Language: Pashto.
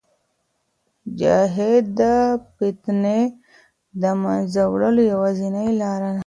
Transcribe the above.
جهاد د فتنې د منځه وړلو یوازینۍ لار ده.